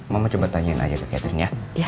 mama coba tanyain aja ke catherine ya